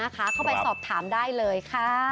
เข้าไปสอบถามได้เลยค่ะ